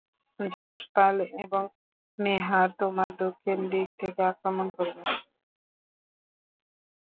যশপাল এবং মেহার, তোমরা দক্ষিণ দিক থেকে আক্রমণ করবে।